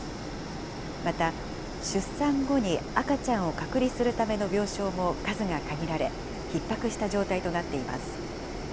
また、出産後に赤ちゃんを隔離するための病床も数が限られ、ひっ迫した状態となっています。